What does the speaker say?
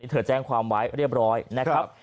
เธอแจ้งความไว้เรียบร้อยนะครับ